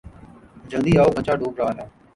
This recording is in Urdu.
جلدی آو؛ بچہ ڈوب رہا ہے